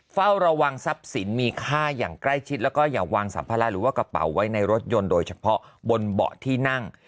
เฝ้าระวังทรัพย์สินมีค่าอย่างใกล้ชิดแล้วก็อย่าวางสัมภาระหรือว่ากระเป๋าไว้ในรถยนต์โดยเฉพาะบนเบาะที่นั่ง